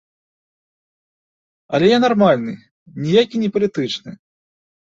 Але я нармальны, ніякі не палітычны.